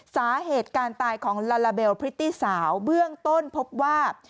สาเหตุการตายของลาลาเบลพริตตี้สาวเบื้องต้นพบว่า